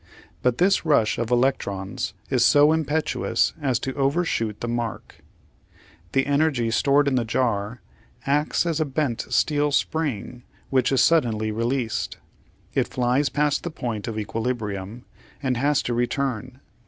But this rush of electrons is so impetuous as to overshoot the mark. The energy stored in the jar acts as a bent steel spring which is suddenly released. It flies past the point of equilibrium and has to return.